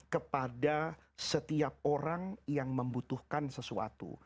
kepada setiap orang yang membutuhkan sesuatu